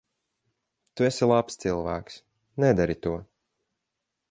Tu esi labs cilvēks. Nedari to.